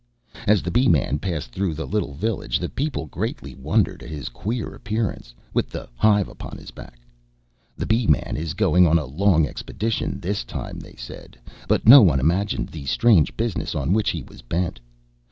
As the Bee man passed through the little village the people greatly wondered at his queer appearance, with the hive upon his back. "The Bee man is going on a long expedition this time," they said; but no one imagined the strange business on which he was bent.